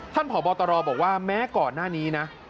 ท่านผ่อบอตรอบอกว่าแม้ก่อนหน้านี้นะ